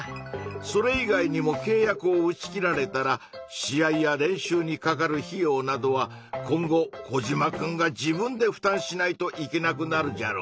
それ以外にもけい約を打ち切られたら試合や練習にかかる費用などは今後コジマくんが自分でふたんしないといけなくなるじゃろうなぁ。